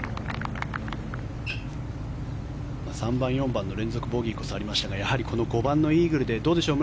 ３番、４番の連続ボギーこそありましたがやはりこの５番のイーグルでどうでしょう